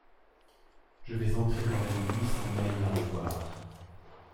Je vais entrer dans la nuit sans même la revoir.